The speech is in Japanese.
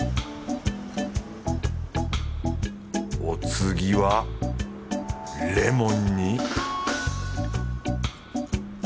お次はレモンに